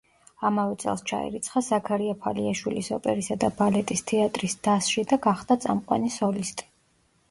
ამავე წელს ჩაირიცხა ზაქარია ფალიაშვილის ოპერისა და ბალეტის თეატრის დასში და გახდა წამყვანი სოლისტი.